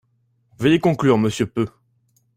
Veuillez conclure, monsieur Peu.